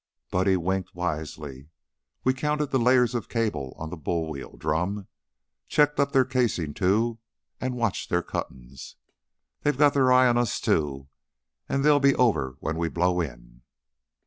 Buddy winked wisely. "We counted the layers of cable on the bull wheel drum. Checked up their casing, too, an' watched their cuttin's. They got their eye on us, too, an' they'll be over when we blow in."